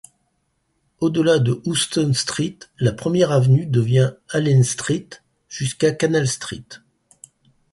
Au-delà de Houston Street, la Première Avenue devient Allen Street, jusqu'à Canal Street.